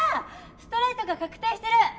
ストレートが確定してる。